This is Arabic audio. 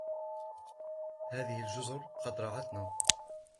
هذه الجزر قد رعتنا.